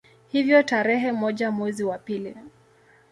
Hivyo tarehe moja mwezi wa pili